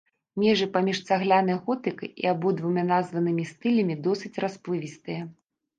Межы паміж цаглянай готыкай і абодвума названымі стылямі досыць расплывістыя.